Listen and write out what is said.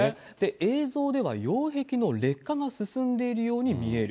映像では、擁壁の劣化が進んでいるように見える。